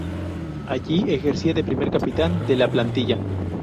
Allí ejercía de primer capitán de la plantilla.